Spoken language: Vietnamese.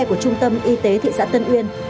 của trung tâm y tế thị xã tân uyên